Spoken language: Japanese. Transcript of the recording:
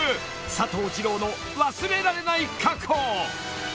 佐藤二朗の忘れられない過去］